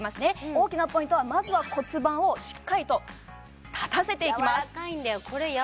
大きなポイントはまずは骨盤をしっかりと立たせていきます